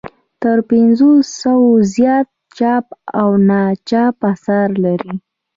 تر پنځو سوو زیات چاپ او ناچاپ اثار لري.